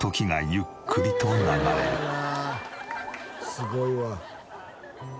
すごいわ。